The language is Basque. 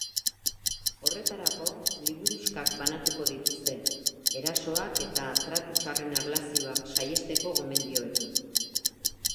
Horretarako, liburuxkak banatuko dituzte, erasoak eta tratu txarren erlazioak saihesteko gomendioekin.